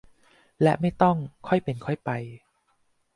และไม่ต้อง "ค่อยเป็นค่อยไป"